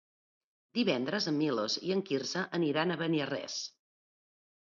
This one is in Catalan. Divendres en Milos i en Quirze aniran a Beniarrés.